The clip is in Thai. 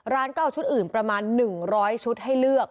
ร้านก็เอาชุดอื่นประมาณ๑๐๐ชุดให้เลือก